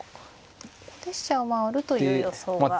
ここで飛車を回るという予想がありますね。